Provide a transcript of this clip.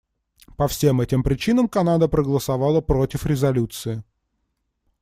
По всем этим причинам Канада проголосовала против резолюции.